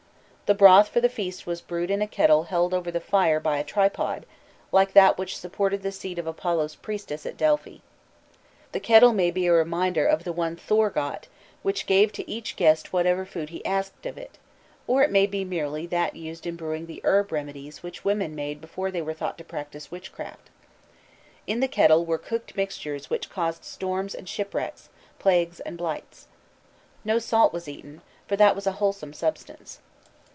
The broth for the feast was brewed in a kettle held over the fire by a tripod, like that which supported the seat of Apollo's priestess at Delphi. The kettle may be a reminder of the one Thor got, which gave to each guest whatever food he asked of it, or it may be merely that used in brewing the herb remedies which women made before they were thought to practise witchcraft. In the kettle were cooked mixtures which caused storms and shipwrecks, plagues, and blights. No salt was eaten, for that was a wholesome substance.